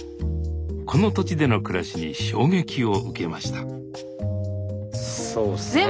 この土地での暮らしに衝撃を受けましたそうっすね。